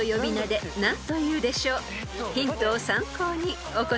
［ヒントを参考にお答えください］